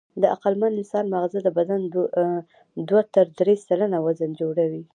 د عقلمن انسان ماغزه د بدن دوه تر درې سلنه وزن جوړوي.